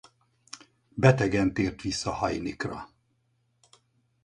Betegen tért vissza Hajnikra.